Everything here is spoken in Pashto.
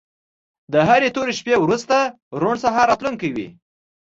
د هرې تورې شپې وروسته روڼ سهار راتلونکی وي.